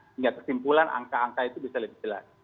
sehingga kesimpulan angka angka itu bisa lebih jelas